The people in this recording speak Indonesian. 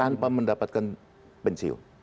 tanpa mendapatkan pensiun